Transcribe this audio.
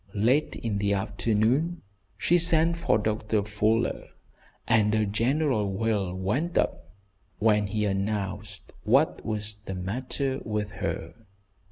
Late in the afternoon she sent for Doctor Fuller, and a general wail went up when he announced what was the matter with her.